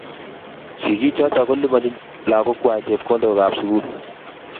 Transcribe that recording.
Sigichoto kolipanchini lagokwai chepkondokab sukul